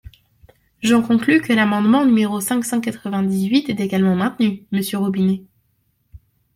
J’en conclus que l’amendement numéro cinq cent quatre-vingt-dix-huit est également maintenu, monsieur Robinet.